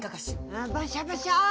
あバシャバシャ！